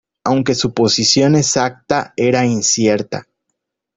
Aunque, su posición exacta era incierta.